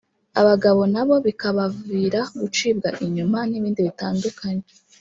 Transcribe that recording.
abagabo na bo bikabavira gucibwa inyuma n’ibindi bitandukanye